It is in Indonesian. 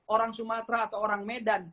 orang sumatera atau orang medan